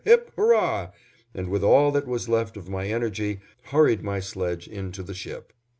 hip! hurrah!" and with all that was left of my energy hurried my sledge in to the ship.